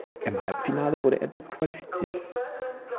Im Halbfinale wurde er disqualifiziert.